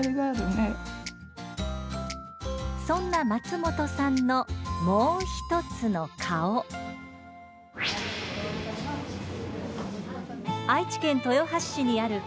そんな松本さんのもう一つの顔